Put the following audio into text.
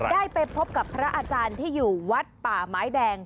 ได้ไปพบกับพระอาจารย์ที่อยู่วัดป่าไม้แดง